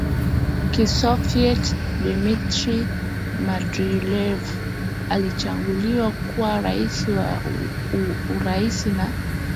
Kisovyeti Dmitry Medvedev alichaguliwa kuwa rais wa Urusi na